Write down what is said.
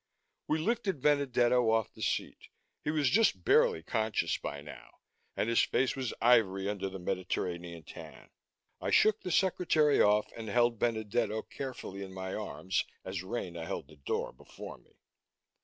We lifted Benedetto off the seat; he was just barely conscious by now, and his face was ivory under the Mediterranean tan. I shook the secretary off and held Benedetto carefully in my arms as Rena held the door before me.